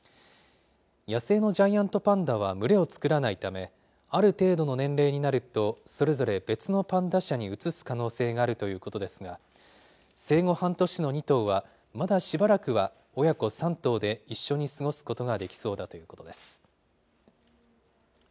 野生のジャイアントパンダは群れを作らないため、ある程度の年齢になると、それぞれ別のパンダ舎に移す可能性があるということですが、生後半年の２頭はまだしばらくは親子３頭で一緒に過ごすことができそうだということです。